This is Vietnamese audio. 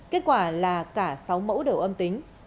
kết quả là cả sáu mẫu đều âm tính